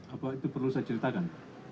apa itu perlu saya ceritakan